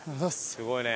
すごいね。